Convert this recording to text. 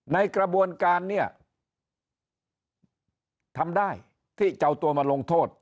ในกระบวนการเนี่ยทำได้ที่จะเอาตัวมาลงโทษ